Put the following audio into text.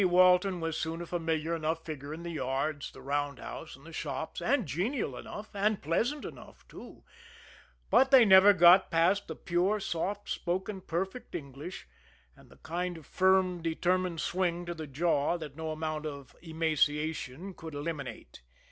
Walton was soon a familiar enough figure in the yards, the roundhouse and the shops, and genial enough, and pleasant enough, too; but they never got past the pure, soft spoken, perfect English, and the kind of firm, determined swing to the jaw that no amount of emaciation could eliminate.